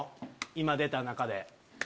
今出た中で。